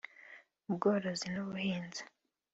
ubworozi n’ubuhinzi